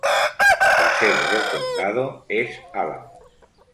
La sede del condado es Alamo.